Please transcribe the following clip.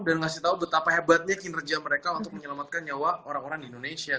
dan ngasih tau betapa hebatnya kinerja mereka untuk menyelamatkan nyawa orang orang di indonesia